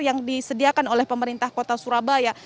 yang disediakan oleh pemerintah kota surabaya